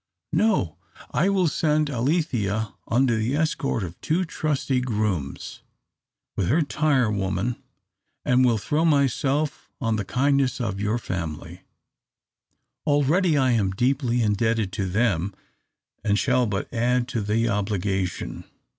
"No; I will send Alethea under the escort of two trusty grooms with her tirewoman, and will throw myself on the kindness of your family. Already I am deeply indebted to them, and shall but add to the obligation."